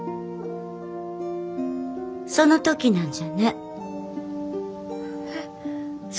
その時なんじゃね。えっ。